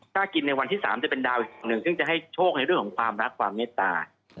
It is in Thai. ถ้ากินในวันที่๓จะเป็นดาวอีกหนึ่งซึ่งจะให้โชคในเรื่องของความรักความเมตตา